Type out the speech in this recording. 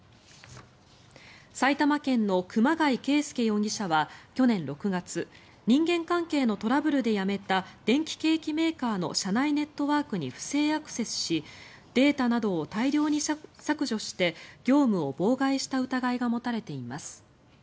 埼玉県の熊谷圭輔容疑者は去年６月人間関係のトラブルで辞めた電気計器メーカーの社内ネットワークに不正アクセスしデータなどを大量に削除して業務を妨害した疑いが持たれています。